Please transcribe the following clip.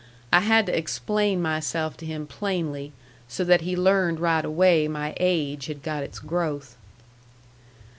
I had to explain myself to him plainly, so that he learned right away my age had got its growth.